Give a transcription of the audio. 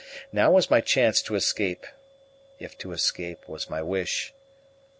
Now was my chance to escape if to escape was my wish.